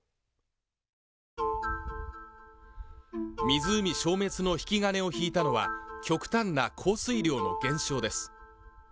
湖消滅の引き金を引いたのは極端な降水量の減少です